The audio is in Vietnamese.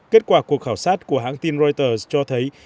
kết quả cuộc khảo sát của hãng tin reuters cho thấy